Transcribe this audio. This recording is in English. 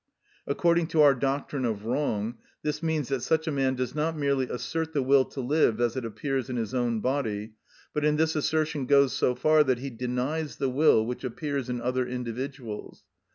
According to our doctrine of wrong, this means that such a man does not merely assert the will to live as it appears in his own body, but in this assertion goes so far that he denies the will which appears in other individuals.